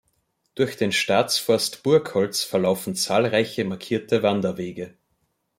Durch den Staatsforst Burgholz verlaufen zahlreiche markierte Wanderwege.